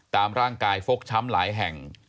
ตามร่างกายฟกช้ำหลายแห่ง